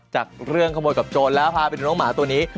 จากเรื่องขโมยกับโจรแล้วพาไปดูน้องหมาตัวนี้